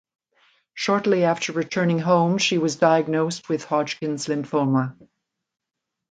Shortly after returning home she was diagnosed with Hodgkin lymphoma.